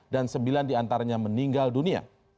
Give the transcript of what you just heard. dan sembilan di antaranya meninggal dunia